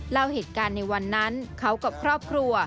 เล่าเหตุการณ์ในวันนั้นเขากับครอบครัว